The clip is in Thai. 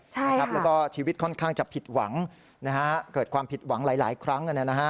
แล้วก็ชีวิตค่อนข้างจะผิดหวังเกิดความผิดหวังหลายครั้ง